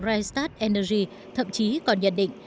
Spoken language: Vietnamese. rystad energy thậm chí còn nhận định